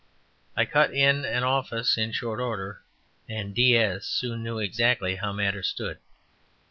I cut in an office in short order, and "DS" soon knew exactly how matters stood.